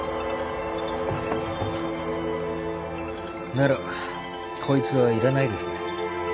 ならこいつはいらないですね。